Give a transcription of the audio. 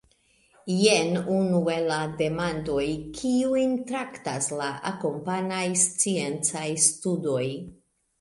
Jen unu el la demandoj, kiujn traktas la akompanaj sciencaj studoj.